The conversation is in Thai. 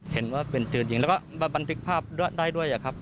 เห็นว่าเป็นปืนยิงแล้วก็บันทึกภาพได้ด้วยครับ